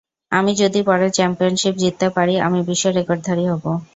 আমি যদি পরের চ্যাম্পিয়নশিপ জিততে পারি, আমি বিশ্ব রেকর্ডধারী হব!